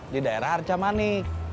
di daerah harcamanik